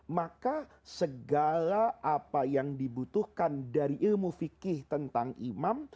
maka segala apa yang dibutuhkan dari ilmu fikih tentang imam